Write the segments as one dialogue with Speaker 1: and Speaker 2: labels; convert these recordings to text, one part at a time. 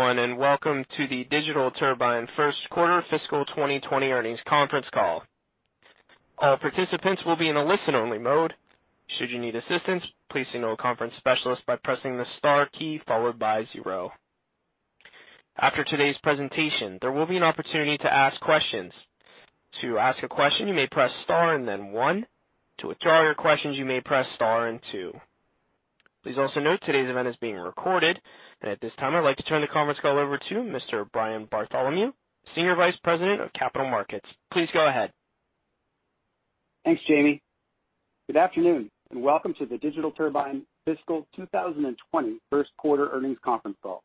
Speaker 1: Good day everyone. Welcome to the Digital Turbine first quarter fiscal 2020 earnings conference call. All participants will be in a listen-only mode. Should you need assistance, please signal a conference specialist by pressing the star key followed by 0. After today's presentation, there will be an opportunity to ask questions. To ask a question, you may press star and then 1. To withdraw your questions, you may press star and 2. Please also note today's event is being recorded, and at this time, I'd like to turn the conference call over to Mr. Brian Bartholomew, Senior Vice President of Capital Markets. Please go ahead.
Speaker 2: Thanks, Jamie. Good afternoon, and welcome to the Digital Turbine fiscal 2020 first quarter earnings conference call.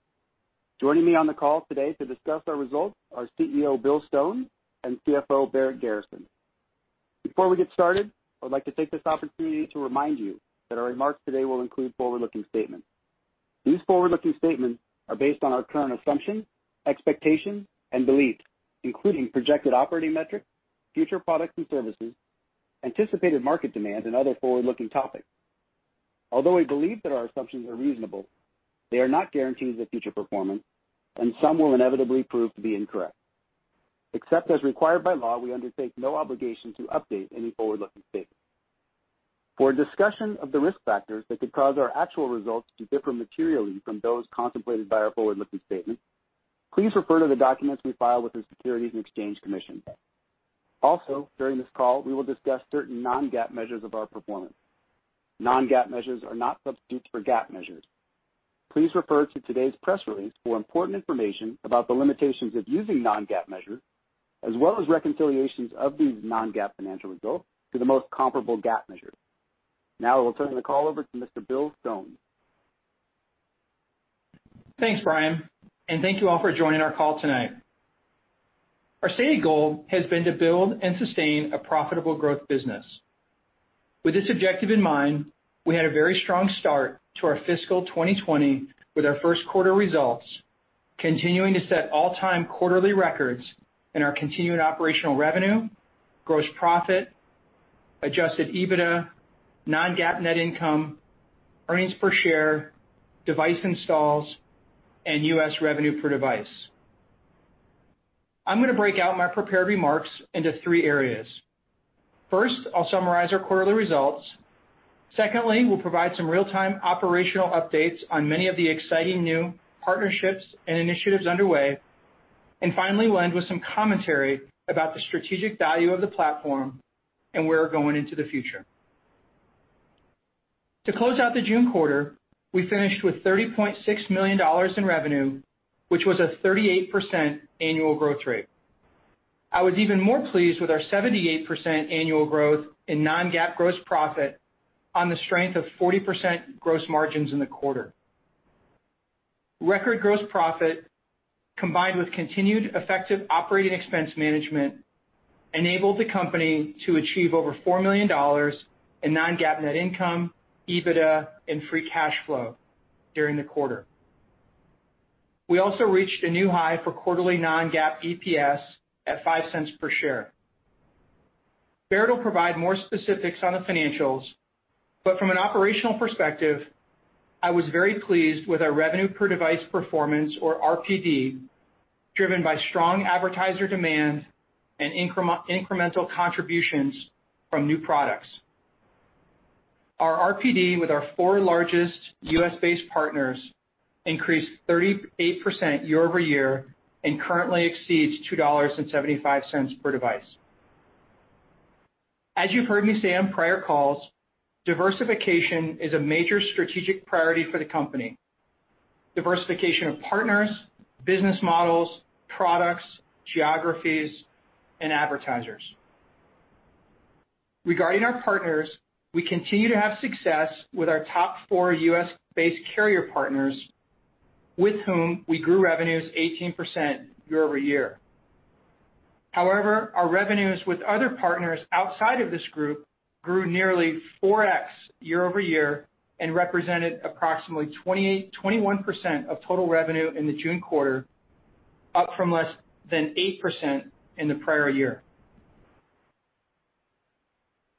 Speaker 2: Joining me on the call today to discuss our results are CEO Bill Stone and CFO Barrett Garrison. Before we get started, I would like to take this opportunity to remind you that our remarks today will include forward-looking statements. These forward-looking statements are based on our current assumptions, expectations, and beliefs, including projected operating metrics, future products and services, anticipated market demands and other forward-looking topics. Although we believe that our assumptions are reasonable, they are not guarantees of future performance, and some will inevitably prove to be incorrect. Except as required by law, we undertake no obligation to update any forward-looking statements. For a discussion of the risk factors that could cause our actual results to differ materially from those contemplated by our forward-looking statements, please refer to the documents we file with the Securities and Exchange Commission. During this call, we will discuss certain non-GAAP measures of our performance. Non-GAAP measures are not substitutes for GAAP measures. Please refer to today's press release for important information about the limitations of using non-GAAP measures, as well as reconciliations of these non-GAAP financial results to the most comparable GAAP measures. I will turn the call over to Mr. Bill Stone.
Speaker 3: Thanks, Brian, and thank you all for joining our call tonight. Our stated goal has been to build and sustain a profitable growth business. With this objective in mind, we had a very strong start to our fiscal 2020 with our first quarter results, continuing to set all-time quarterly records in our continuing operational revenue, gross profit, adjusted EBITDA, non-GAAP net income, earnings per share, device installs, and U.S. revenue per device. I'm going to break out my prepared remarks into three areas. First, I'll summarize our quarterly results. Secondly, we'll provide some real-time operational updates on many of the exciting new partnerships and initiatives underway. Finally, we'll end with some commentary about the strategic value of the platform and where we're going into the future. To close out the June quarter, we finished with $30.6 million in revenue, which was a 38% annual growth rate. I was even more pleased with our 78% annual growth in non-GAAP gross profit on the strength of 40% gross margins in the quarter. Record gross profit, combined with continued effective operating expense management, enabled the company to achieve over $4 million in non-GAAP net income, EBITDA, and free cash flow during the quarter. We also reached a new high for quarterly non-GAAP EPS at $0.05 per share. Barrett will provide more specifics on the financials, but from an operational perspective, I was very pleased with our revenue per device performance or RPD, driven by strong advertiser demand and incremental contributions from new products. Our RPD with our four largest U.S.-based partners increased 38% year-over-year and currently exceeds $2.75 per device. As you've heard me say on prior calls, diversification is a major strategic priority for the company. Diversification of partners, business models, products, geographies, and advertisers. Regarding our partners, we continue to have success with our top four U.S.-based carrier partners, with whom we grew revenues 18% year-over-year. However, our revenues with other partners outside of this group grew nearly 4x year-over-year and represented approximately 21% of total revenue in the June quarter, up from less than 8% in the prior year.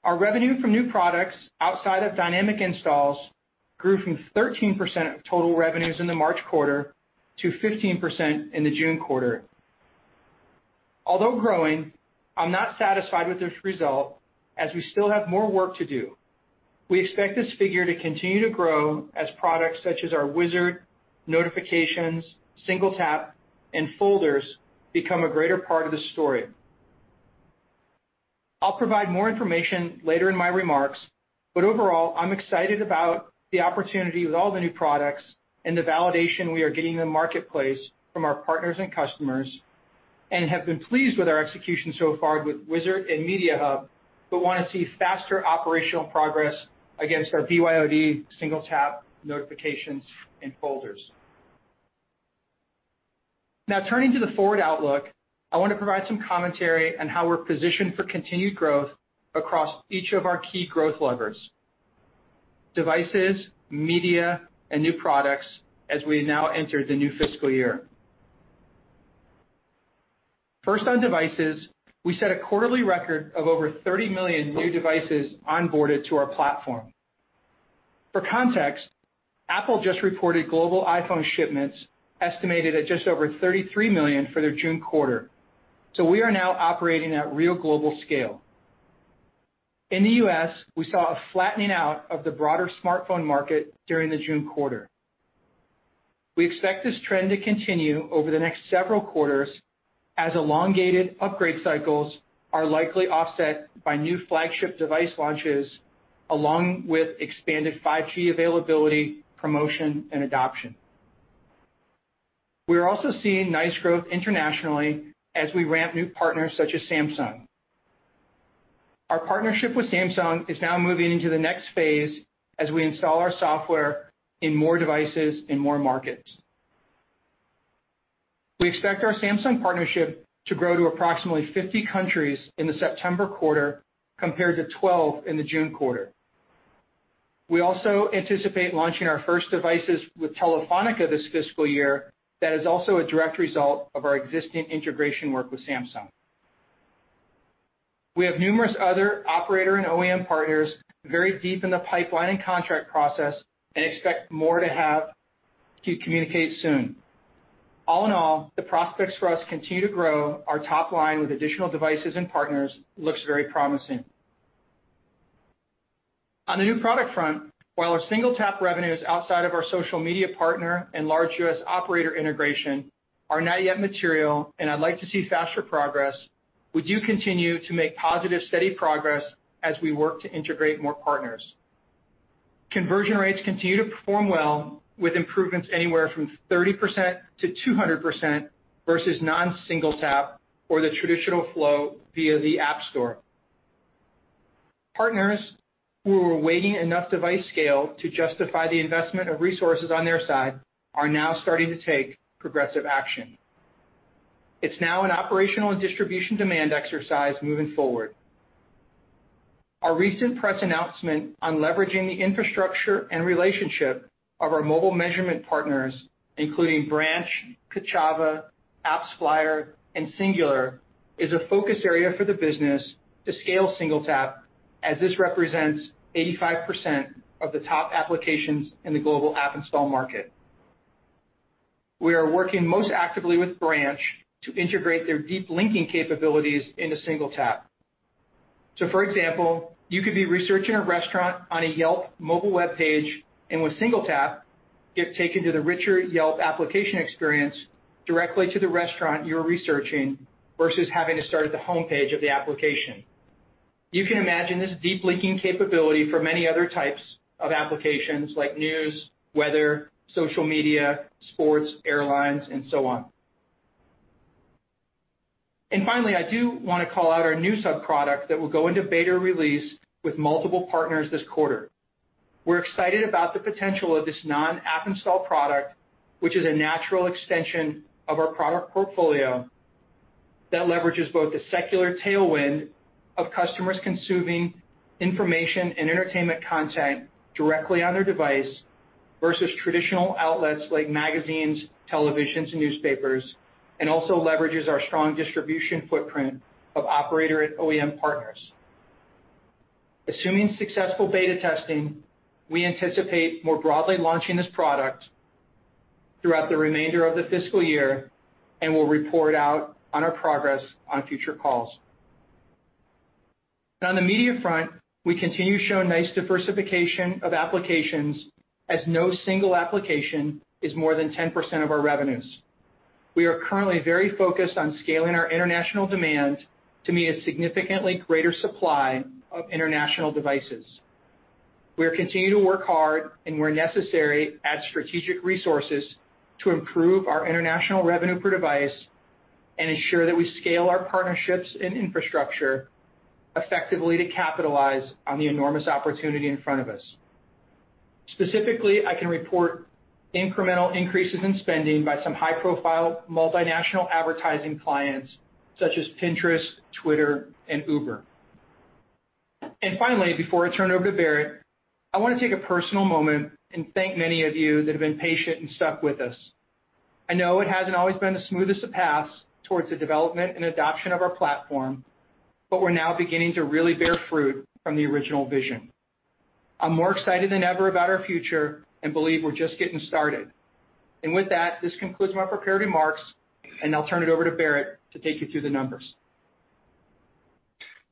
Speaker 3: Our revenue from new products outside of Dynamic Installs grew from 13% of total revenues in the March quarter to 15% in the June quarter. Although growing, I'm not satisfied with this result, as we still have more work to do. We expect this figure to continue to grow as products such as our Wizard, Notifications, SingleTap, and Smart Folders become a greater part of the story. I'll provide more information later in my remarks, but overall, I'm excited about the opportunity with all the new products and the validation we are getting in the marketplace from our partners and customers and have been pleased with our execution so far with Wizard and Media Hub, but want to see faster operational progress against our BYOD, SingleTap, Notifications, and Folders. Turning to the forward outlook, I want to provide some commentary on how we're positioned for continued growth across each of our key growth levers: devices, media, and new products as we now enter the new fiscal year. First, on devices, we set a quarterly record of over 30 million new devices onboarded to our platform. For context, Apple just reported global iPhone shipments estimated at just over 33 million for their June quarter. We are now operating at real global scale. In the U.S., we saw a flattening out of the broader smartphone market during the June quarter. We expect this trend to continue over the next several quarters as elongated upgrade cycles are likely offset by new flagship device launches, along with expanded 5G availability, promotion, and adoption. We are also seeing nice growth internationally as we ramp new partners such as Samsung. Our partnership with Samsung is now moving into the next phase as we install our software in more devices in more markets. We expect our Samsung partnership to grow to approximately 50 countries in the September quarter, compared to 12 in the June quarter. We also anticipate launching our first devices with Telefónica this fiscal year that is also a direct result of our existing integration work with Samsung. We have numerous other operator and OEM partners very deep in the pipeline and contract process and expect more to have to communicate soon. All in all, the prospects for us continue to grow our top line with additional devices and partners looks very promising. On the new product front, while our SingleTap revenues outside of our social media partner and large U.S. operator integration are not yet material and I'd like to see faster progress, we do continue to make positive, steady progress as we work to integrate more partners. Conversion rates continue to perform well, with improvements anywhere from 30%-200% versus non-SingleTap or the traditional flow via the App Store. Partners who were waiting enough device scale to justify the investment of resources on their side are now starting to take progressive action. It's now an operational and distribution demand exercise moving forward. Our recent press announcement on leveraging the infrastructure and relationship of our mobile measurement partners, including Branch, Kochava, AppsFlyer, and Singular, is a focus area for the business to scale SingleTap, as this represents 85% of the top applications in the global app install market. We are working most actively with Branch to integrate their deep linking capabilities into SingleTap. For example, you could be researching a restaurant on a Yelp mobile webpage, and with SingleTap, get taken to the richer Yelp application experience directly to the restaurant you're researching versus having to start at the home page of the application. You can imagine this deep linking capability for many other types of applications, like news, weather, social media, sports, airlines, and so on. Finally, I do want to call out our new sub-product that will go into beta release with multiple partners this quarter. We're excited about the potential of this non-app install product, which is a natural extension of our product portfolio that leverages both the secular tailwind of customers consuming information and entertainment content directly on their device versus traditional outlets like magazines, televisions, and newspapers, and also leverages our strong distribution footprint of operator and OEM partners. Assuming successful beta testing, we anticipate more broadly launching this product throughout the remainder of the fiscal year and will report out on our progress on future calls. Now on the media front, we continue to show nice diversification of applications as no single application is more than 10% of our revenues. We are currently very focused on scaling our international demand to meet a significantly greater supply of international devices. We're continuing to work hard and where necessary, add strategic resources to improve our international revenue per device and ensure that we scale our partnerships and infrastructure effectively to capitalize on the enormous opportunity in front of us. Specifically, I can report incremental increases in spending by some high-profile multinational advertising clients such as Pinterest, Twitter, and Uber. Finally, before I turn it over to Barrett, I want to take a personal moment and thank many of you that have been patient and stuck with us. I know it hasn't always been the smoothest of paths towards the development and adoption of our platform, but we're now beginning to really bear fruit from the original vision. I'm more excited than ever about our future and believe we're just getting started. With that, this concludes my prepared remarks, and I'll turn it over to Barrett to take you through the numbers.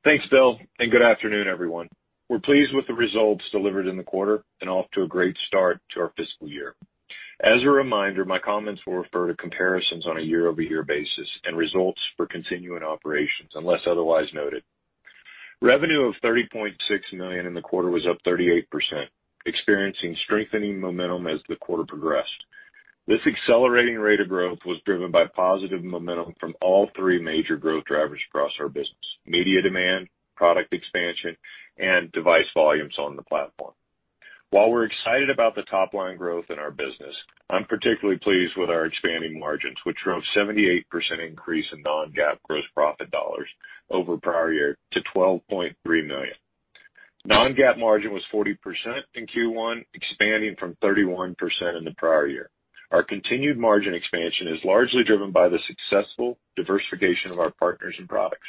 Speaker 4: Thanks, Bill, and good afternoon, everyone. We're pleased with the results delivered in the quarter and off to a great start to our fiscal year. As a reminder, my comments will refer to comparisons on a year-over-year basis and results for continuing operations unless otherwise noted. Revenue of $30.6 million in the quarter was up 38%, experiencing strengthening momentum as the quarter progressed. This accelerating rate of growth was driven by positive momentum from all three major growth drivers across our business, media demand, product expansion, and device volumes on the platform. While we're excited about the top-line growth in our business, I'm particularly pleased with our expanding margins, which drove 78% increase in non-GAAP gross profit dollars over prior year to $12.3 million. Non-GAAP margin was 40% in Q1, expanding from 31% in the prior year. Our continued margin expansion is largely driven by the successful diversification of our partners and products.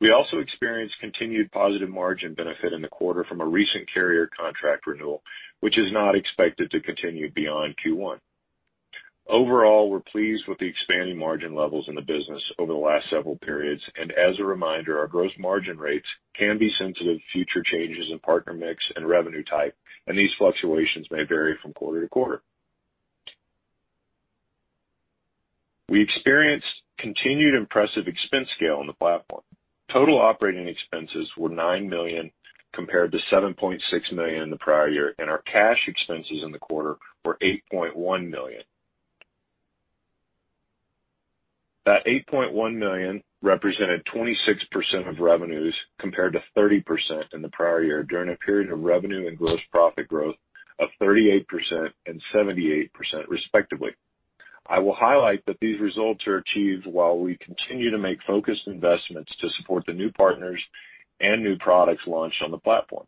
Speaker 4: We also experienced continued positive margin benefit in the quarter from a recent carrier contract renewal, which is not expected to continue beyond Q1. Overall, we're pleased with the expanding margin levels in the business over the last several periods, and as a reminder, our gross margin rates can be sensitive to future changes in partner mix and revenue type, and these fluctuations may vary from quarter to quarter. We experienced continued impressive expense scale on the platform. Total operating expenses were $9 million compared to $7.6 million in the prior year, and our cash expenses in the quarter were $8.1 million. That $8.1 million represented 26% of revenues compared to 30% in the prior year during a period of revenue and gross profit growth of 38% and 78% respectively. I will highlight that these results are achieved while we continue to make focused investments to support the new partners and new products launched on the platform.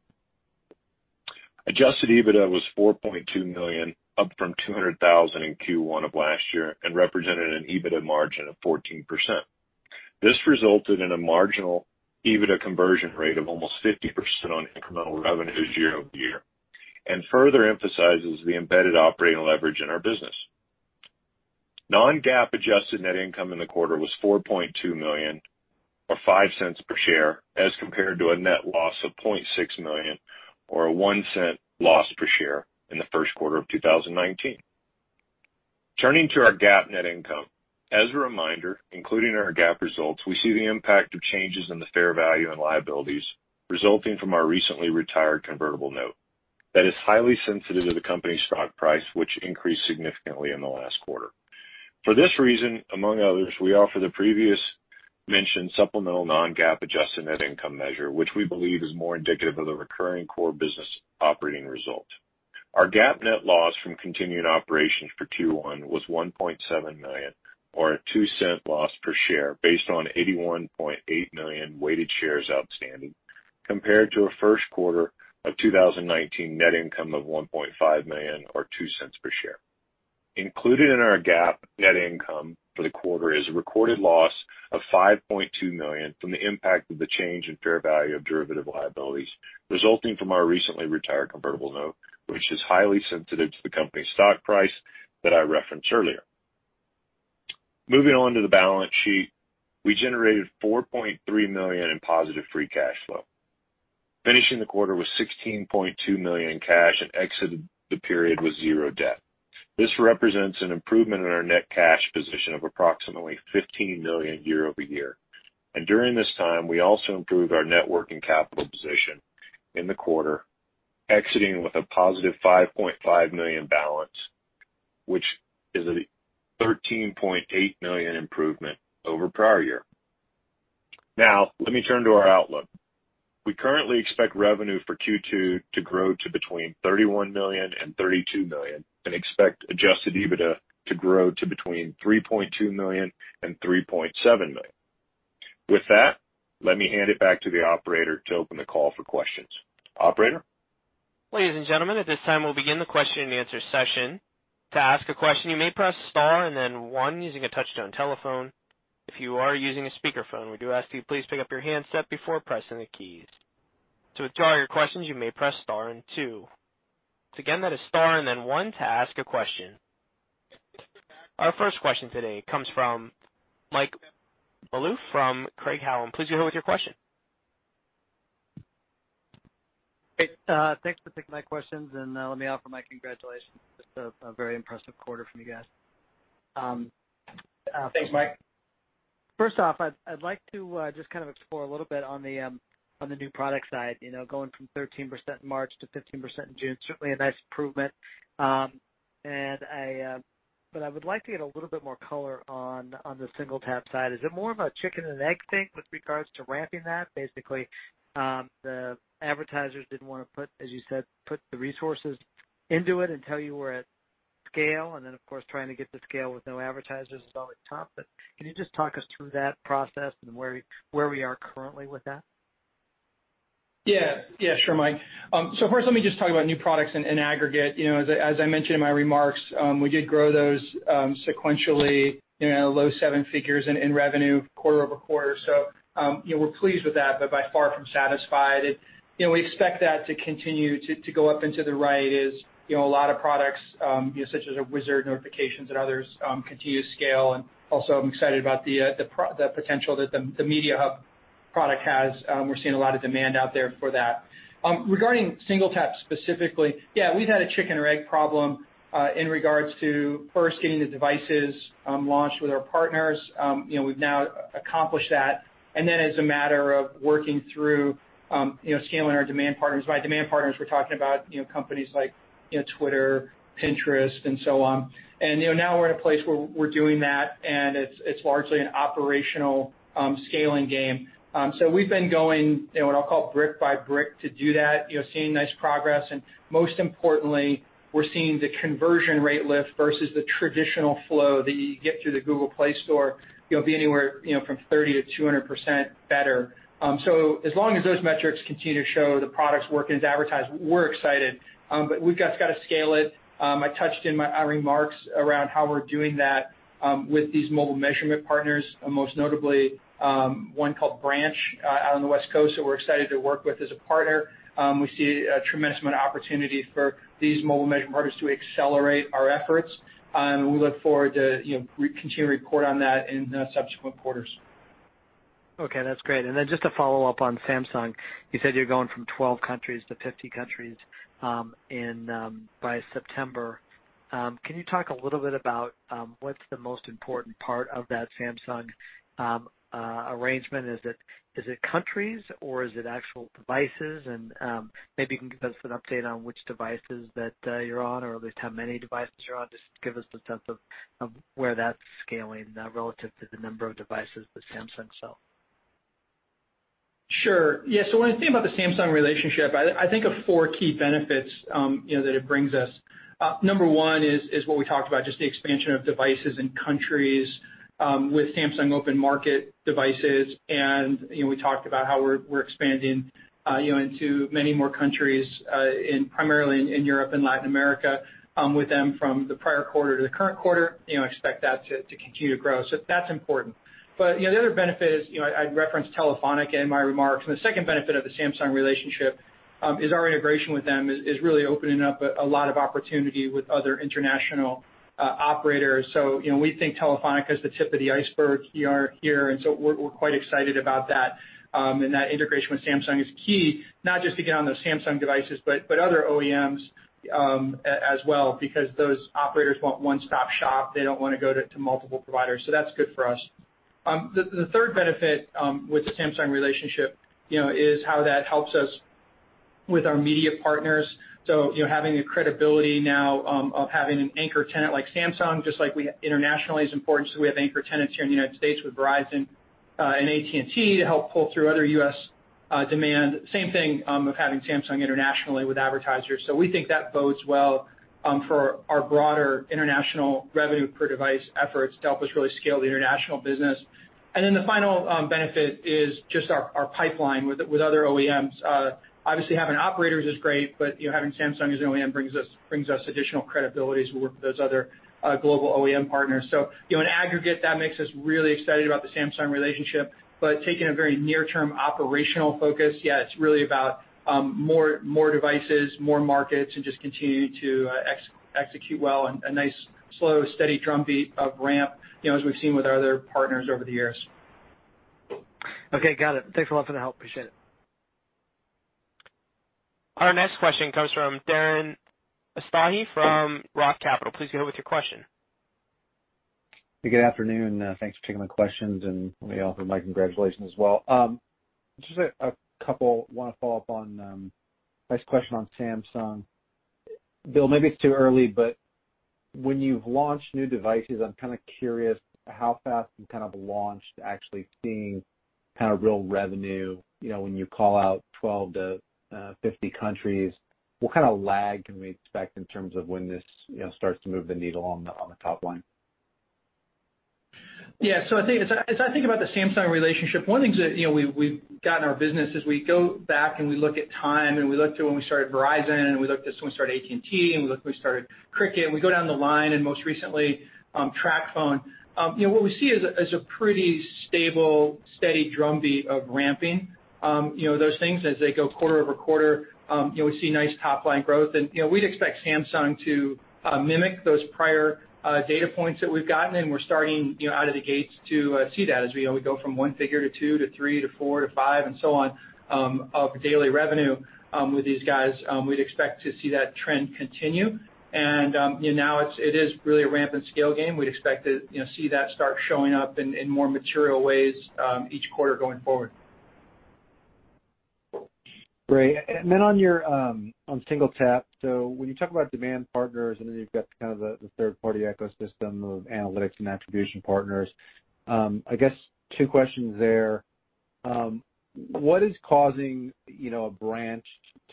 Speaker 4: Adjusted EBITDA was $4.2 million, up from $200,000 in Q1 of last year, and represented an EBITDA margin of 14%. This resulted in a marginal EBITDA conversion rate of almost 50% on incremental revenues year-over-year, and further emphasizes the embedded operating leverage in our business. Non-GAAP adjusted net income in the quarter was $4.2 million, or $0.05 per share, as compared to a net loss of $0.6 million or a $0.01 loss per share in the first quarter of 2019. Turning to our GAAP net income. As a reminder, including our GAAP results, we see the impact of changes in the fair value and liabilities resulting from our recently retired convertible note that is highly sensitive to the company's stock price, which increased significantly in the last quarter. For this reason, among others, we offer the previous mentioned supplemental non-GAAP adjusted net income measure, which we believe is more indicative of the recurring core business operating result. Our GAAP net loss from continued operations for Q1 was $1.7 million, or a $0.02 loss per share based on 81.8 million weighted shares outstanding compared to a first quarter of 2019 net income of $1.5 million or $0.02 per share. Included in our GAAP net income for the quarter is a recorded loss of $5.2 million from the impact of the change in fair value of derivative liabilities resulting from our recently retired convertible note, which is highly sensitive to the company's stock price that I referenced earlier. Moving on to the balance sheet. We generated $4.3 million in positive free cash flow, finishing the quarter with $16.2 million in cash and exited the period with zero debt. This represents an improvement in our net cash position of approximately $15 million year-over-year. During this time, we also improved our net working capital position in the quarter, exiting with a positive $5.5 million balance, which is a $13.8 million improvement over prior year. Now, let me turn to our outlook. We currently expect revenue for Q2 to grow to between $31 million and $32 million, and expect adjusted EBITDA to grow to between $3.2 million and $3.7 million. With that, let me hand it back to the operator to open the call for questions. Operator?
Speaker 1: Ladies and gentlemen, at this time, we'll begin the question and answer session. To ask a question, you may press star and then one using a touch-tone telephone. If you are using a speakerphone, we do ask you please pick up your handset before pressing the keys. To withdraw your questions, you may press star and two. Again, that is star and then one to ask a question. Our first question today comes from Mike Malouf from Craig-Hallum. Please go ahead with your question.
Speaker 5: Great. Thanks for taking my questions, and let me offer my congratulations. Just a very impressive quarter from you guys.
Speaker 3: Thanks, Mike.
Speaker 5: First off, I'd like to just kind of explore a little bit on the new product side, going from 13% in March to 15% in June. I would like to get a little bit more color on the SingleTap side. Is it more of a chicken and egg thing with regards to ramping that? Basically, the advertisers didn't want to put, as you said, put the resources into it until you were at scale, and then, of course, trying to get to scale with no advertisers is always tough. Can you just talk us through that process and where we are currently with that?
Speaker 3: Yeah. Sure, Mike. First, let me just talk about new products in aggregate. As I mentioned in my remarks, we did grow those sequentially low seven figures in revenue quarter-over-quarter. We're pleased with that, but by far from satisfied. We expect that to continue to go up into the right as a lot of products, such as our Wizard, Notifications, and others continue to scale. Also, I'm excited about the potential that the MediaHub product has. We're seeing a lot of demand out there for that. Regarding SingleTap specifically, yeah, we've had a chicken or egg problem, in regards to first getting the devices launched with our partners. We've now accomplished that. As a matter of working through scaling our demand partners. By demand partners, we're talking about companies like X, Pinterest, and so on. Now we're at a place where we're doing that, and it's largely an operational scaling game. We've been going what I'll call brick by brick to do that, seeing nice progress. Most importantly, we're seeing the conversion rate lift versus the traditional flow that you get through the Google Play Store, be anywhere from 30% to 200% better. As long as those metrics continue to show the product's working as advertised, we're excited. We've just got to scale it. I touched in my remarks around how we're doing that with these mobile measurement partners, most notably, one called Branch out on the West Coast that we're excited to work with as a partner. We see a tremendous amount of opportunity for these mobile measurement partners to accelerate our efforts, and we look forward to continue to report on that in subsequent quarters.
Speaker 5: Okay, that's great. Just a follow-up on Samsung. You said you're going from 12 countries to 50 countries by September. Can you talk a little bit about what's the most important part of that Samsung arrangement? Is it countries, or is it actual devices? Maybe you can give us an update on which devices that you're on, or at least how many devices you're on. Just to give us the sense of where that's scaling now relative to the number of devices that Samsung sell.
Speaker 3: Sure. Yeah. When I think about the Samsung relationship, I think of four key benefits that it brings us. Number 1 is what we talked about, just the expansion of devices and countries with Samsung open market devices. We talked about how we're expanding into many more countries, primarily in Europe and Latin America, with them from the prior quarter to the current quarter. Expect that to continue to grow. That's important. The other benefit is, I referenced Telefónica in my remarks, and the second benefit of the Samsung relationship is our integration with them is really opening up a lot of opportunity with other international operators. We think Telefónica is the tip of the iceberg here, and we're quite excited about that. That integration with Samsung is key, not just to get on those Samsung devices, but other OEMs as well, because those operators want one-stop shop. They don't want to go to multiple providers. That's good for us. The third benefit with the Samsung relationship is how that helps us with our media partners. Having the credibility now of having an anchor tenant like Samsung, just like internationally is important, so we have anchor tenants here in the United States with Verizon and AT&T to help pull through other U.S. demand. Same thing of having Samsung internationally with advertisers. We think that bodes well for our broader international revenue per device efforts to help us really scale the international business. The final benefit is just our pipeline with other OEMs. Obviously, having operators is great, but having Samsung as an OEM brings us additional credibility as we work with those other global OEM partners. In aggregate, that makes us really excited about the Samsung relationship. Taking a very near-term operational focus, yeah, it's really about more devices, more markets, and just continuing to execute well on a nice slow, steady drumbeat of ramp, as we've seen with our other partners over the years.
Speaker 5: Okay, got it. Thanks a lot for the help. Appreciate it.
Speaker 1: Our next question comes from Darren Aftahi from Roth Capital. Please go ahead with your question.
Speaker 6: Good afternoon. Thanks for taking my questions, and let me offer my congratulations as well. Just a couple. I want to follow up on nice question on Samsung. Bill, maybe it's too early, but when you've launched new devices, I'm kind of curious how fast from kind of launch to actually seeing kind of real revenue. When you call out 12 to 50 countries, what kind of lag can we expect in terms of when this starts to move the needle on the top line?
Speaker 3: As I think about the Samsung relationship, one of the things that we've got in our business is we go back and we look at time, and we look to when we started Verizon, and we look to when we started AT&T, and we look when we started Cricket, and we go down the line and most recently, TracFone. What we see is a pretty stable, steady drumbeat of ramping. Those things, as they go quarter over quarter, we see nice top-line growth. And we'd expect Samsung to mimic those prior data points that we've gotten, and we're starting out of the gates to see that as we go from one figure to two to three to four to five, and so on, of daily revenue with these guys. We'd expect to see that trend continue. And now it is really a ramp and scale game. We'd expect to see that start showing up in more material ways each quarter going forward.
Speaker 6: Great. On SingleTap. When you talk about demand partners and then you've got kind of the third-party ecosystem of analytics and attribution partners. I guess two questions there. What is causing Branch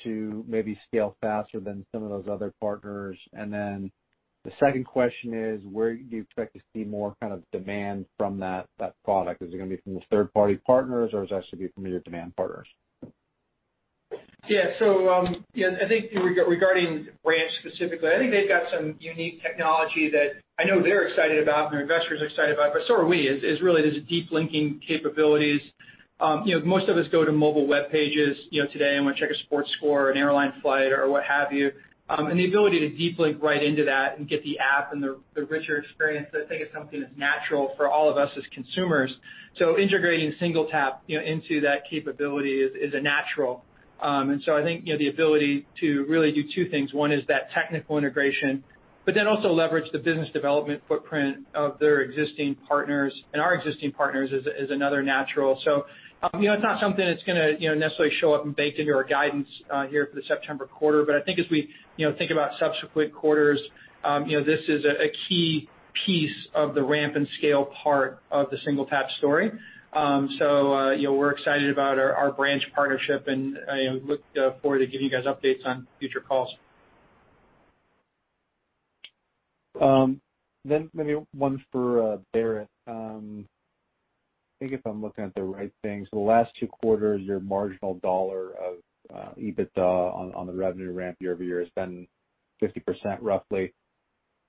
Speaker 6: to maybe scale faster than some of those other partners? The second question is, where do you expect to see more kind of demand from that product? Is it going to be from the third-party partners, or is it actually going to be from your demand partners?
Speaker 3: Yeah. I think regarding Branch specifically, I think they've got some unique technology that I know they're excited about and their investors are excited about, but so are we. It's really these deep linking capabilities. Most of us go to mobile web pages. Today I want to check a sports score, an airline flight, or what have you. The ability to deep link right into that and get the app and the richer experience, I think it's something that's natural for all of us as consumers. Integrating SingleTap into that capability is a natural. I think, the ability to really do two things. One is that technical integration, but then also leverage the business development footprint of their existing partners and our existing partners is another natural. It's not something that's going to necessarily show up and bake into our guidance here for the September quarter. I think as we think about subsequent quarters, this is a key piece of the ramp and scale part of the SingleTap story. We're excited about our Branch partnership, and I look forward to giving you guys updates on future calls.
Speaker 6: Maybe one for Barrett. I think if I'm looking at the right thing, the last two quarters, your marginal dollar of EBITDA on the revenue ramp year-over-year has been 50% roughly.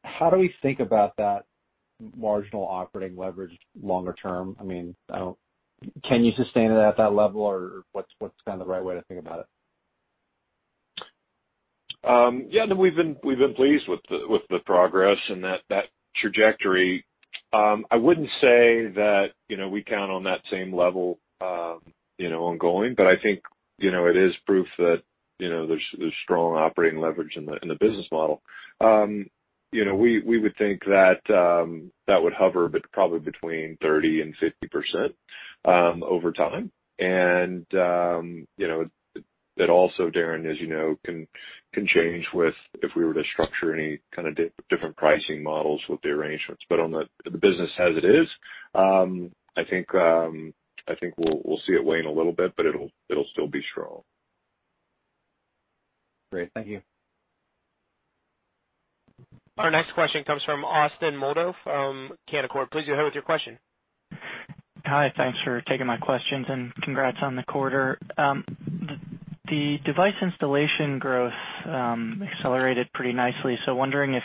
Speaker 6: How do we think about that marginal operating leverage longer term? I mean, can you sustain it at that level, what's kind of the right way to think about it?
Speaker 4: No, we've been pleased with the progress and that trajectory. I wouldn't say that we count on that same level ongoing. I think, it is proof that there's strong operating leverage in the business model. We would think that would hover, but probably between 30% and 50% over time. That also, Darren, as you know, can change with if we were to structure any kind of different pricing models with the arrangements. On the business as it is, I think we'll see it wane a little bit, but it'll still be strong.
Speaker 6: Great. Thank you.
Speaker 1: Our next question comes from Austin Moldow, from Canaccord. Please go ahead with your question.
Speaker 7: Hi. Thanks for taking my questions and congrats on the quarter. The device installation growth accelerated pretty nicely. Wondering if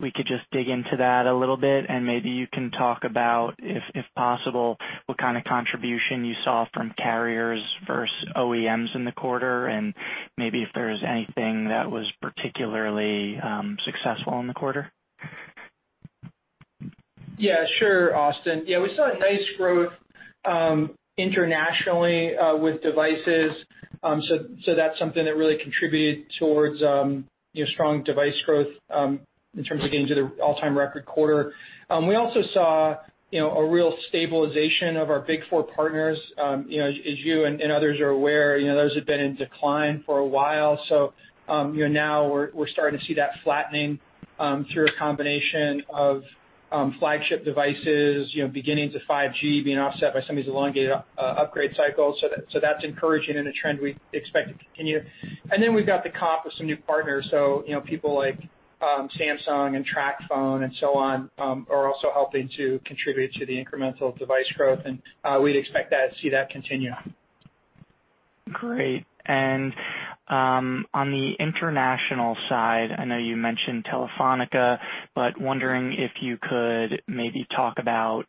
Speaker 7: we could just dig into that a little bit and maybe you can talk about, if possible, what kind of contribution you saw from carriers versus OEMs in the quarter, and maybe if there's anything that was particularly successful in the quarter?
Speaker 3: Yeah. Sure, Austin. We saw a nice growth internationally with devices. That's something that really contributed towards strong device growth, in terms of getting to the all-time record quarter. We also saw a real stabilization of our big four partners. As you and others are aware, those have been in decline for a while. Now we're starting to see that flattening through a combination of flagship devices, beginnings of 5G being offset by some of these elongated upgrade cycles. That's encouraging and a trend we expect to continue. Then we've got the comp with some new partners. People like Samsung and TracFone and so on, are also helping to contribute to the incremental device growth, and we'd expect to see that continue.
Speaker 7: Great. On the international side, I know you mentioned Telefónica, but wondering if you could maybe talk about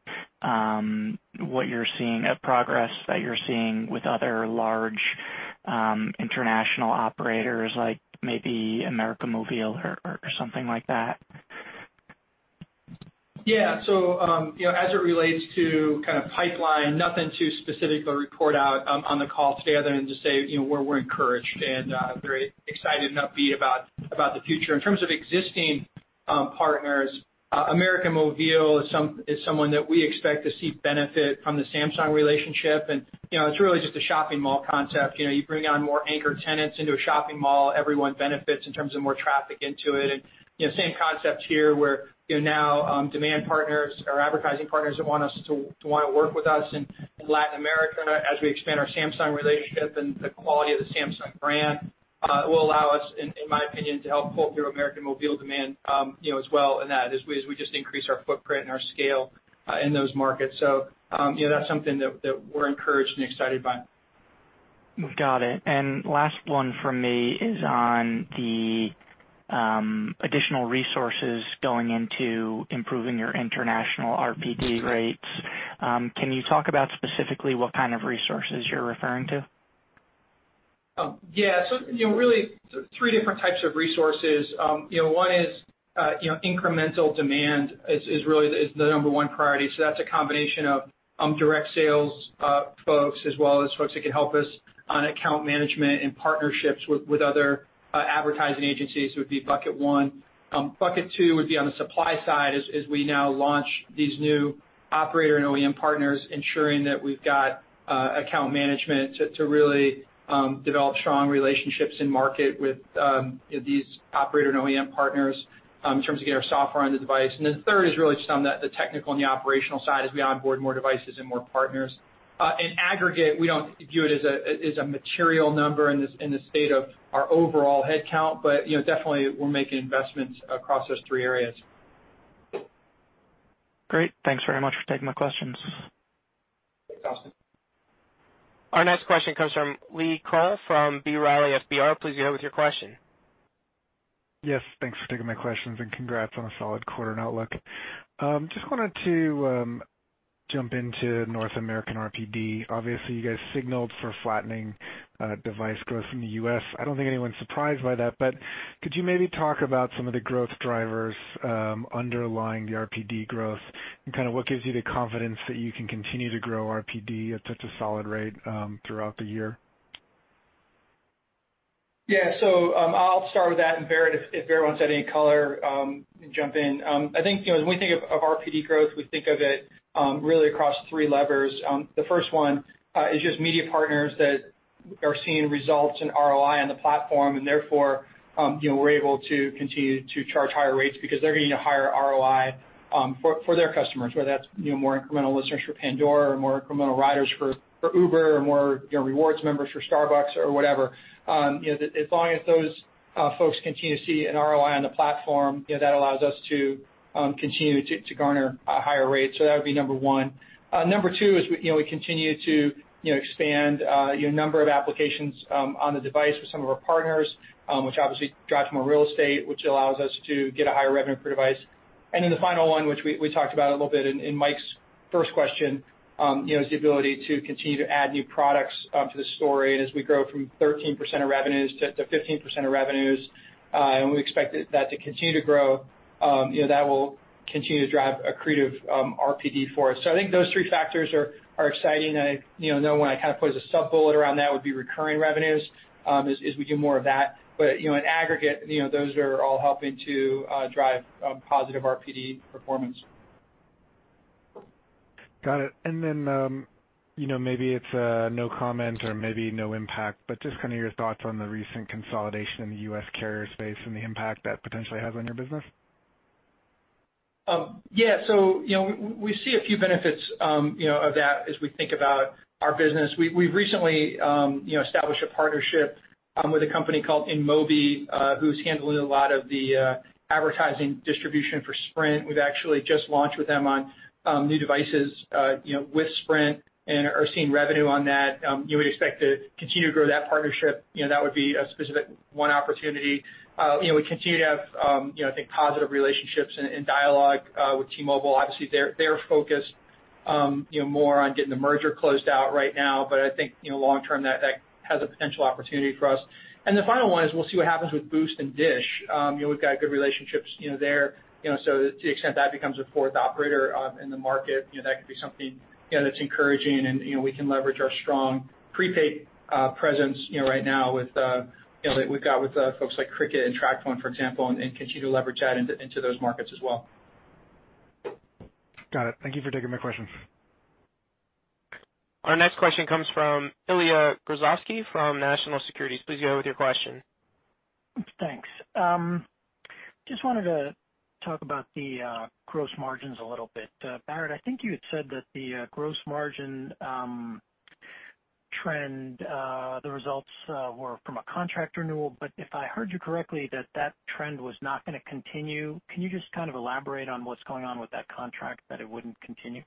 Speaker 7: what progress that you're seeing with other large international operators, like maybe América Móvil or something like that?
Speaker 3: Yeah. As it relates to kind of pipeline, nothing too specific to report out on the call today other than just say we're encouraged and very excited and upbeat about the future. In terms of existing partners, América Móvil is someone that we expect to see benefit from the Samsung relationship. It's really just a shopping mall concept. You bring on more anchor tenants into a shopping mall, everyone benefits in terms of more traffic into it. Same concept here where now demand partners or advertising partners that want to work with us in Latin America as we expand our Samsung relationship and the quality of the Samsung brand, will allow us, in my opinion, to help pull through América Móvil demand as well in that, as we just increase our footprint and our scale in those markets. That's something that we're encouraged and excited by.
Speaker 7: Got it. Last one from me is on the additional resources going into improving your international RPD rates. Can you talk about specifically what kind of resources you're referring to?
Speaker 3: Really, 3 different types of resources. One is incremental demand is the number one priority. That's a combination of direct sales folks as well as folks that can help us on account management and partnerships with other advertising agencies, would be bucket 1. Bucket 2 would be on the supply side as we now launch these new operator and OEM partners, ensuring that we've got account management to really develop strong relationships in market with these operator and OEM partners, in terms of getting our software on the device. Third is really just on the technical and the operational side as we onboard more devices and more partners. In aggregate, we don't view it as a material number in the state of our overall headcount. Definitely, we're making investments across those three areas.
Speaker 7: Great. Thanks very much for taking my questions.
Speaker 3: Thanks, Austin.
Speaker 1: Our next question comes from Lee Kroll from B. Riley FBR. Please go ahead with your question.
Speaker 8: Yes, thanks for taking my questions and congrats on a solid quarter and outlook. Just wanted to jump into North American RPD. Obviously, you guys signaled for flattening device growth in the U.S. I don't think anyone's surprised by that, but could you maybe talk about some of the growth drivers underlying the RPD growth and kind of what gives you the confidence that you can continue to grow RPD at such a solid rate throughout the year?
Speaker 3: Yeah. I'll start with that. Barrett, if Barrett wants to add any color, you can jump in. I think, when we think of RPD growth, we think of it really across three levers. The first one is just media partners that are seeing results in ROI on the platform and therefore, we're able to continue to charge higher rates because they're getting a higher ROI for their customers, whether that's more incremental listeners for Pandora or more incremental riders for Uber or more rewards members for Starbucks or whatever. As long as those folks continue to see an ROI on the platform, that allows us to continue to garner higher rates. That would be number one. Number two is we continue to expand a number of applications on the device with some of our partners, which obviously drives more real estate, which allows us to get a higher revenue per device. The final one, which we talked about a little bit in Mike's first question, is the ability to continue to add new products to the store as we grow from 13% of revenues to 15% of revenues. We expect that to continue to grow. That will continue to drive accretive RPD for us. I think those three factors are exciting, and I know one I put as a sub-bullet around that would be recurring revenues, as we do more of that. In aggregate, those are all helping to drive positive RPD performance.
Speaker 8: Got it. Then, maybe it's a no comment or maybe no impact, but just your thoughts on the recent consolidation in the U.S. carrier space and the impact that potentially has on your business.
Speaker 3: We see a few benefits of that as we think about our business. We've recently established a partnership with a company called InMobi, who's handling a lot of the advertising distribution for Sprint. We've actually just launched with them on new devices with Sprint and are seeing revenue on that. You would expect to continue to grow that partnership. That would be a specific one opportunity. We continue to have positive relationships and dialogue with T-Mobile. Obviously, they're focused more on getting the merger closed out right now. I think, long-term, that has a potential opportunity for us. The final one is we'll see what happens with Boost and Dish. We've got good relationships there. To the extent that becomes a fourth operator in the market, that could be something that's encouraging, and we can leverage our strong prepaid presence right now that we've got with folks like Cricket and TracFone, for example, and continue to leverage that into those markets as well.
Speaker 8: Got it. Thank you for taking my question.
Speaker 1: Our next question comes from Ilya Gruzovsky from National Securities. Please go with your question.
Speaker 9: Thanks. Just wanted to talk about the gross margins a little bit. Barrett, I think you had said that the gross margin trend, the results were from a contract renewal. If I heard you correctly, that trend was not going to continue. Can you just elaborate on what's going on with that contract, that it wouldn't continue?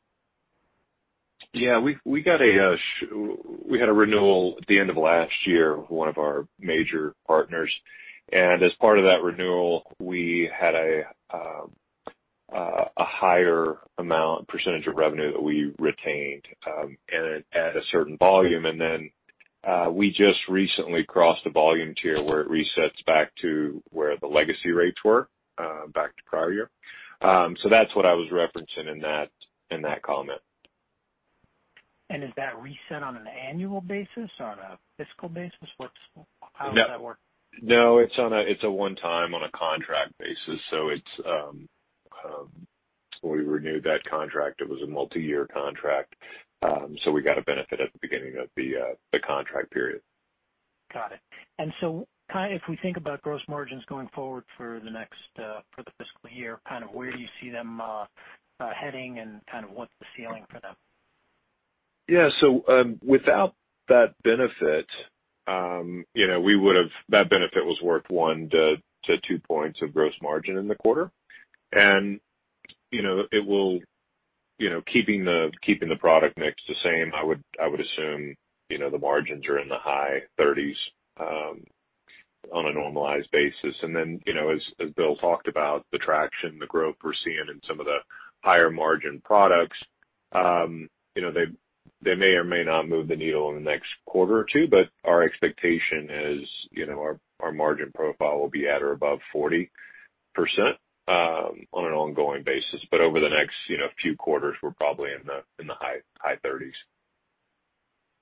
Speaker 4: Yeah. We had a renewal at the end of last year with one of our major partners. As part of that renewal, we had a higher amount percentage of revenue that we retained at a certain volume. We just recently crossed a volume tier where it resets back to where the legacy rates were, back to prior year. That's what I was referencing in that comment.
Speaker 9: Is that reset on an annual basis or on a fiscal basis? How does that work?
Speaker 4: No, it's a one-time on a contract basis. When we renewed that contract, it was a multi-year contract. We got a benefit at the beginning of the contract period.
Speaker 9: Got it. If we think about gross margins going forward for the next fiscal year, where do you see them heading and what's the ceiling for them?
Speaker 4: Yeah. Without that benefit, that benefit was worth 1-2 points of gross margin in the quarter. Keeping the product mix the same, I would assume the margins are in the high 30s on a normalized basis. As Bill talked about, the traction, the growth we're seeing in some of the higher-margin products, they may or may not move the needle in the next quarter or two, but our expectation is our margin profile will be at or above 40% on an ongoing basis. Over the next few quarters, we're probably in the high 30s.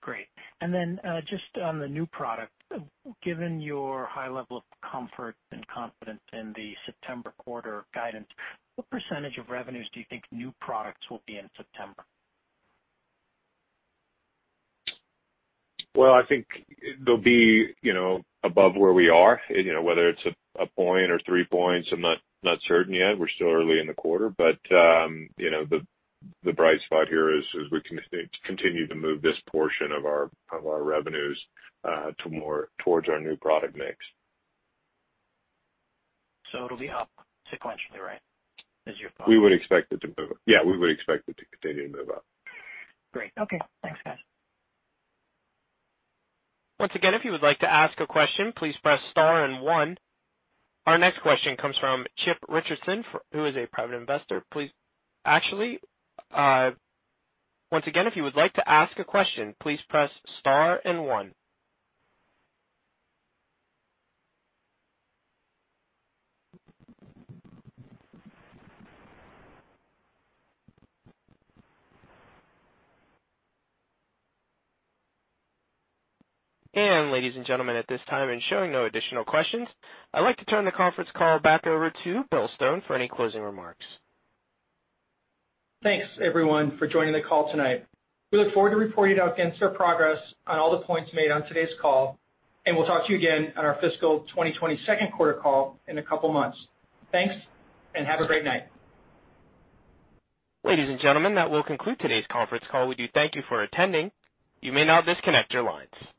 Speaker 9: Great. Then, just on the new product, given your high level of comfort and confidence in the September quarter guidance, what % of revenues do you think new products will be in September?
Speaker 4: Well, I think they'll be above where we are. Whether it's a point or three points, I'm not certain yet. We're still early in the quarter. The bright spot here is we continue to move this portion of our revenues towards our new product mix.
Speaker 9: It'll be up sequentially, right?
Speaker 4: We would expect it to move up. Yeah, we would expect it to continue to move up.
Speaker 9: Great. Okay. Thanks, guys.
Speaker 1: Once again, if you would like to ask a question, please press star and one. Our next question comes from Chip Richardson, who is a private investor. Actually, once again, if you would like to ask a question, please press star and one. Ladies and gentlemen, at this time, and showing no additional questions, I'd like to turn the conference call back over to Bill Stone for any closing remarks.
Speaker 3: Thanks, everyone, for joining the call tonight. We look forward to reporting out against our progress on all the points made on today's call, and we'll talk to you again on our fiscal 2020 second quarter call in a couple of months. Thanks, and have a great night.
Speaker 1: Ladies and gentlemen, that will conclude today's conference call. We do thank you for attending. You may now disconnect your lines.